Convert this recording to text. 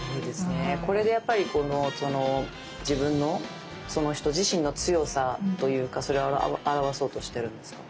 これでやっぱり自分のその人自身の強さというかそれを表そうとしてるんですか？